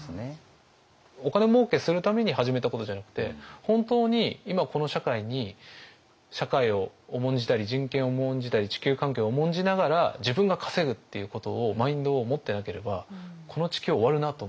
お金もうけするために始めたことじゃなくて本当に今この社会に社会を重んじたり人権を重んじたり地球環境を重んじながら自分が稼ぐっていうことをマインドを持ってなければこの地球は終わるなと思って。